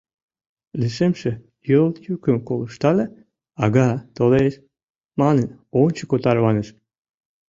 Лишемше йол йӱкым колыштале, «А-га, толеш!» манын, ончыко тарваныш.